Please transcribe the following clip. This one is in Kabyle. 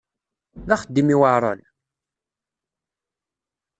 D axeddim iweɛṛen?